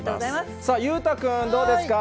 さあ、裕太君、どうですか。